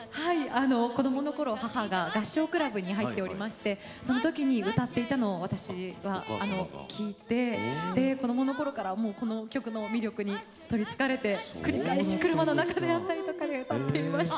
子どもの頃母が合唱クラブに入っておりましてその時に歌っていたのを私は聴いてで子どもの頃からこの曲の魅力にとりつかれて繰り返し車の中であったりとかで歌っていました。